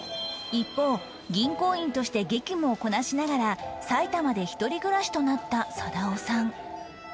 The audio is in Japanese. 一方銀行員として激務をこなしながら埼玉で一人暮らしとなった貞雄さん